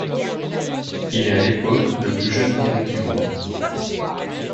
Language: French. Il est à l’époque le plus jeune évêque du monde.